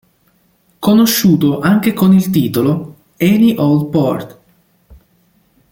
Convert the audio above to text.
Conosciuto anche con il titolo "Any Old Port".